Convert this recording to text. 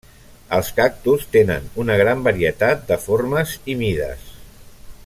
Els cactus tenen una gran varietat de formes i mides.